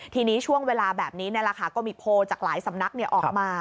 ทีนี้ช่วงเวลาแบบนี้ก็มีโพลจากหลายสำนักออกมา